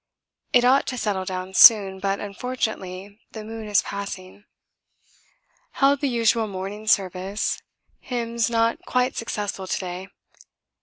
It ought to settle down soon, but unfortunately the moon is passing. Held the usual Morning Service. Hymns not quite successful to day.